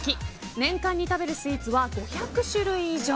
年間に食べるスイーツは５００種類以上。